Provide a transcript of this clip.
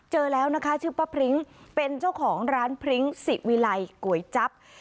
เจอแล้วนะคะชื่อป้าพริ้งเป็นเจ้าของร้านพริ้งสิวิลัยก๋วยจั๊บ